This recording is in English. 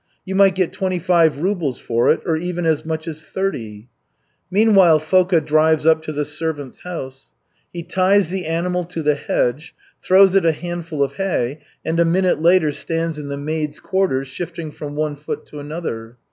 You might get twenty five rubles for it, or even as much as thirty." Meanwhile Foka drives up to the servants' house. He ties the animal to the hedge, throws it a handful of hay, and a minute later stands in the maids' quarters, shifting from one foot to another.